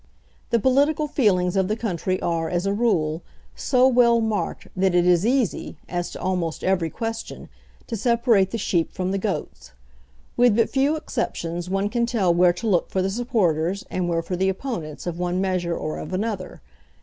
The political feelings of the country are, as a rule, so well marked that it is easy, as to almost every question, to separate the sheep from the goats. With but few exceptions one can tell where to look for the supporters and where for the opponents of one measure or of another.